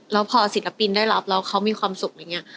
แล้วพอศิลปินได้รับแล้วเขามีความสุขอะไรอย่างนี้